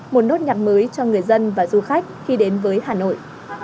một nốt nhạc mới cho người dân và du khách khi đến với hà nội